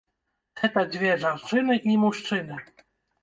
Гэта дзве жанчыны і мужчыны.